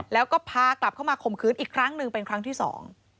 แล้วก็พากลับเข้ามาข่มขืนอีกครั้งหนึ่งเป็นครั้งที่สอง